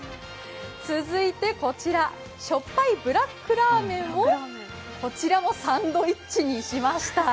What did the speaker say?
続いてこちら、しょっぱいブラックラーメンをこちらもサンドイッチにしました。